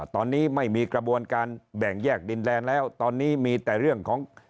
ตอนนี้ไม่มีกระบวนการแบ่งแยกดินแดนแล้วตอนนี้มีแต่เรื่องของ